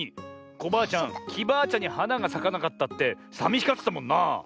コバアちゃんきバアちゃんにはながさかなかったってさみしがってたもんな！